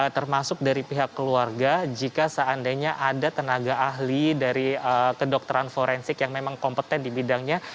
termasuk dari pihak keluarga jika seandainya ada tenaga ahli dari kedokteran forensik yang memang kompeten di bidangnya